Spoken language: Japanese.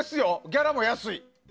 ギャラも安い。